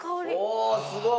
おおすごい。